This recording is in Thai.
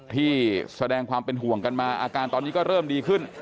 ที่แสดงความเป็นห่วงกันมาอาการตอนนี้ก็เริ่มดีขึ้น